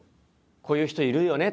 「こういう人いるよね」